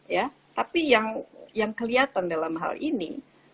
ya tapi yang kelihatan dalam hal ini